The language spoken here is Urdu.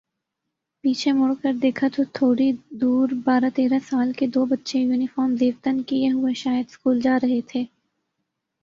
پیچھے مڑ کر دیکھا تو تھوڑی دوربارہ تیرہ سال کے دو بچے یونیفارم زیب تن کئے ہوئے شاید سکول جارہے تھے